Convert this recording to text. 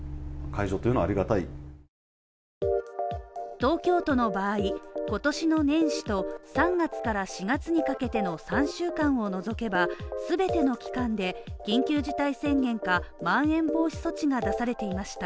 東京都の場合、今年の年始と、３月から４月にかけての３週間を除けば、全ての期間で緊急事態宣言か、まん延防止措置が出されていました。